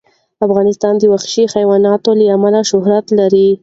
افغانستان د وحشي حیواناتو له امله شهرت لري.